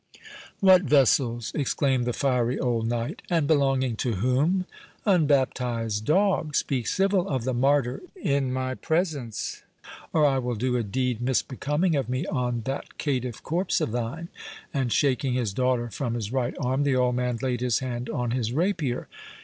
"What vessels?" exclaimed the fiery old knight; "and belonging to whom? Unbaptized dog, speak civil of the Martyr in my presence, or I will do a deed misbecoming of me on that caitiff corpse of thine!"—And shaking his daughter from his right arm, the old man laid his hand on his rapier.